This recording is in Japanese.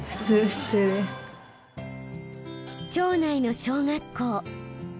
町内の小学校。